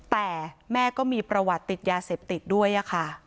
แต่แม่ก็มีประวัติติดยาเสพติดด้วยค่ะ